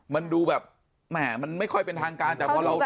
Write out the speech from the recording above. มันดูแบบมันไม่ค่อยเป็นทางการแต่เมื่อเรา